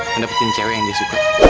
mendapatkan cewek yang dia suka